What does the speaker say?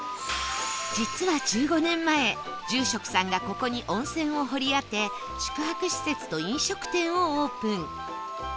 実は１５年前住職さんがここに温泉を掘り当て宿泊施設と飲食店をオープン